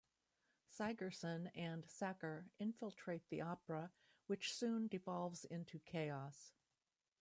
Sigerson and Sacker infiltrate the opera, which soon devolves into chaos.